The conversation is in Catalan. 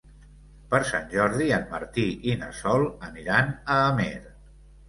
Per Sant Jordi en Martí i na Sol aniran a Amer.